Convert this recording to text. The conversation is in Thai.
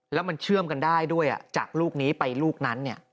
แล้วมันเชื่อมกันได้ด้วยจากลูกนี้ไปลูกนั้น